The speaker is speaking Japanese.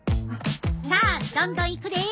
さあどんどんいくで！